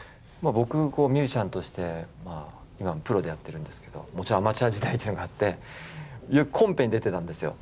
僕ミュージシャンとして今はプロでやってるんですけどもちろんアマチュア時代があってよくコンペに出てたんですよ。